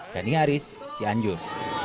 kani aris cianjur